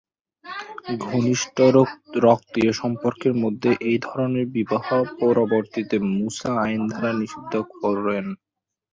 ঘনিষ্ঠ রক্তীয় সম্পর্কের মধ্যে এই ধরণের বিবাহ পরবর্তীতে মুসা আইন দ্বারা নিষিদ্ধ করেন।